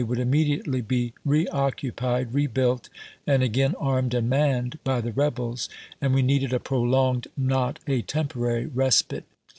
woiild immediately be reoccupied, rebuilt, and again armed and manned by the rebels, and we needed a prolonged not a temporary respite.